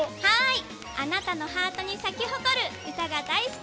あなたのハートに咲き誇る歌が大好き！